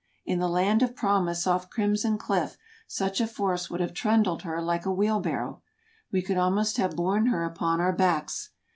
In the land of promise off Crimson Cliff such a force would have trundled her like a wheelbar row; we could almost have borne her upon our backs.